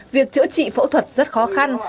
việc chữa trị phẫu thuật rất khó khăn